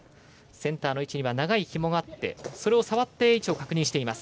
センターの位置には長い線があってそれを触って位置を確認します。